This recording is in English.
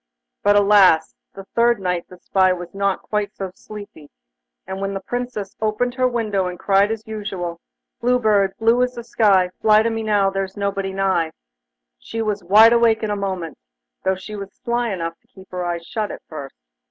But, alas! the third night the spy was not quite so sleepy, and when the Princess opened her window and cried as usual: 'Blue Bird, blue as the sky, Fly to me now, there's nobody nigh,' she was wide awake in a moment, though she was sly enough to keep her eyes shut at first.